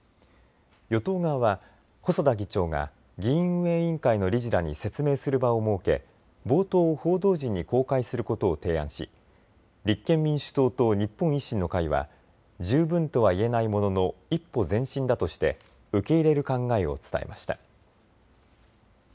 与党側は細田議長が議院運営委員会の理事らに説明する場を設け冒頭を報道陣に公開することを提案し立憲民主党と日本維新の会は十分とは言えないものの一歩前進だとして受け入れる考えを伝えました。